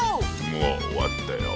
もう終わったよ。